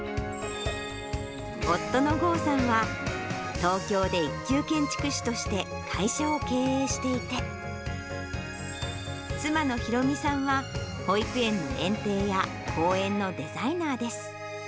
夫の豪さんは、東京で一級建築士として会社を経営していて、妻の裕美さんは、保育園の園庭や公園のデザイナーです。